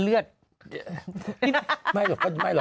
เมื่อมีกินของแม่